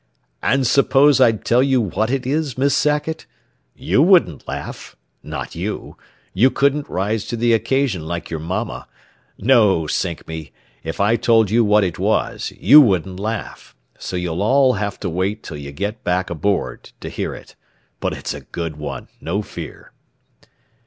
"And suppose I'd tell you what it is, Miss Sackett? You wouldn't laugh. Not you. You couldn't rise to the occasion like your mamma. No, sink me, if I told you what it was, you wouldn't laugh; so you'll all have to wait till you get back aboard to hear it. But it's a good one, no fear."